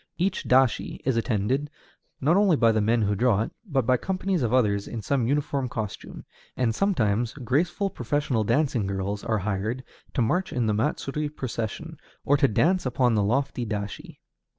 Each dashi is attended, not only by the men who draw it, but by companies of others in some uniform costume; and sometimes graceful professional dancing girls are hired to march in the matsuri procession, or to dance upon the lofty dashi.